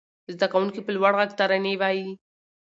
زده کوونکي په لوړ غږ ترانې وايي.